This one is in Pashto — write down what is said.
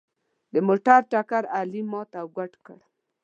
د موټر ټکر علي مات او ګوډ کړ.